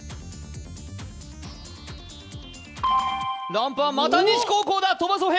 ランプはまた西高校だ、鳥羽想平。